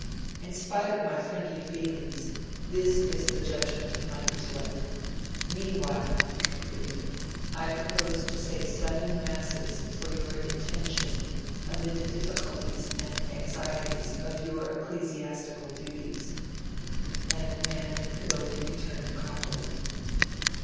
In spite of my friendly feelings, this is the judgment of my intellect.' 'Meanwhile,' he concluded, 'I propose to say seven masses for your intention amid the difficulties and anxieties of your ecclesiastical duties.' And Manning could only return the compliment.